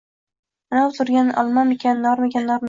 Аnov turgan olmamikan, normikan, normikan